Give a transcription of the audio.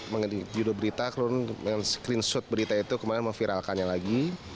mengenai judul berita kemudian screenshot berita itu kemudian memviralkannya lagi